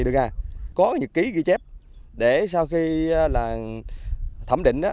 có những cái nhật ký ghi chép để sau khi là thẩm định á